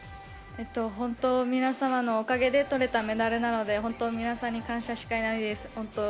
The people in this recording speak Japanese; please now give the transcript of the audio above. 本当に皆様のおかげで取れたメダルなので、本当に皆さんに感謝しかないです。